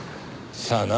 さあな。